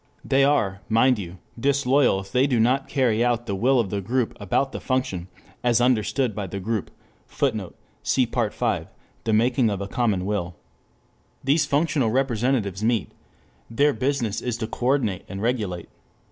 They are, mind you, disloyal if they do not carry out the will of the group about the function, as understood by the group. [Footnote: Cf. Part V, "The Making of a Common Will."] These functional representatives meet. Their business is to coordinate and regulate.